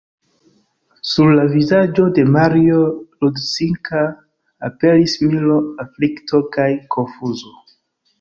Sur la vizaĝo de Mario Rudzinska aperis miro, aflikto kaj konfuzo.